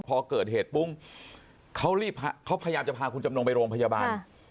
พอเกิดเหตุปุ้งเขารีบเขาพยายามจะพาคุณจำนงไปโรงพยาบาล